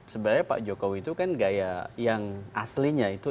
sebenarnya pak jokowi itu kan gaya yang aslinya itu